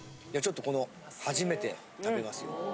じゃあちょっとこの初めて食べますよ。